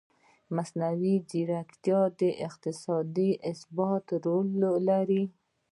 مصنوعي ځیرکتیا د اقتصادي ثبات رول لري.